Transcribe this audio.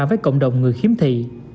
với cộng đồng người khiếm thị